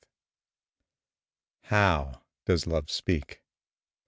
How does Love speak?